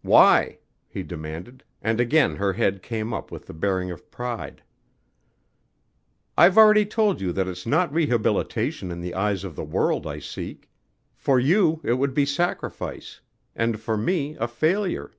"Why?" he demanded and again her head came up with the bearing of pride. "I've already told you that it's not rehabilitation in the eyes of the world I seek. For you it would be sacrifice and for me a failure.